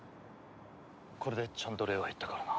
これでちゃんと礼は言ったからな。